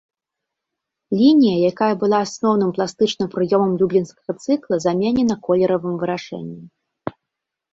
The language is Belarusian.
Лінія, якая была асноўным пластычным прыёмам люблінскага цыкла, заменена колеравым вырашэннем.